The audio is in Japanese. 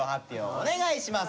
お願いします。